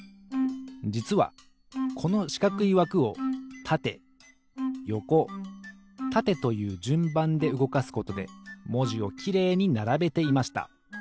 じつはこのしかくいわくをたてよこたてというじゅんばんでうごかすことでもじをきれいにならべていました。